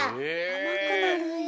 あまくなるんや。